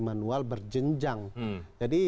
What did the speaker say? manual berjenjang jadi